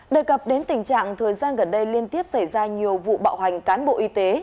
đề cập đến tình trạng thời gian gần đây liên tiếp xảy ra nhiều vụ bạo hành cán bộ y tế